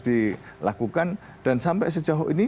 dilakukan dan sampai sejauh ini